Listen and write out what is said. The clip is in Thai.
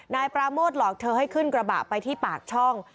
นายปราโมทหลอกเธอให้ขึ้นกระบะไปที่ปากช่อง